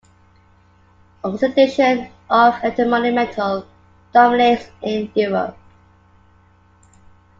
Oxidation of antimony metal dominates in Europe.